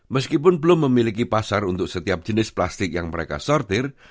meskipun belum memiliki pasar untuk setiap jenis plastik yang mereka sortir